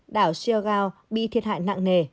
đảo siargao bị thiệt hại nặng nề